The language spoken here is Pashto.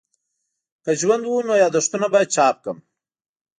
که ژوند وو نو یادښتونه به چاپ کړم.